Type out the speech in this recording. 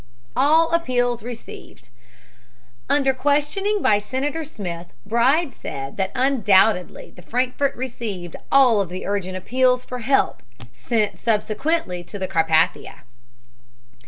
ALL APPEALS RECEIVED Under questioning by Senator Smith, Bride said that undoubtedly the Frankfurt received all of the urgent appeals for help sent subsequently to the Carpathia.